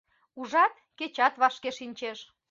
Ужат, кечат вашке шинчеш.